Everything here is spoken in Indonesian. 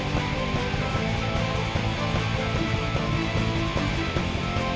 memberikan warna yang bisa